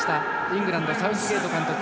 イングランド、サウスゲート監督。